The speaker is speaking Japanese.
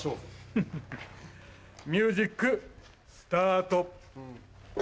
フフフミュージックスタート。